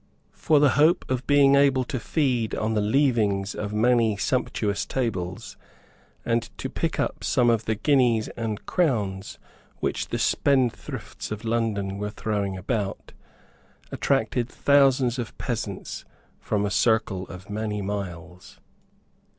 For the hope of being able to feed on the leavings of many sumptuous tables, and to pick up some of the guineas and crowns which the spendthrifts of London were throwing about, attracted thousands of peasants from a circle of many miles.